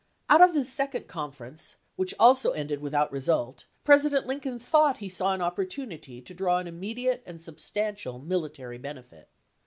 Out of this second conference, which also ended without result, President Lincoln thought he saw an opportunity to draw an immediate and substan tial military benefit.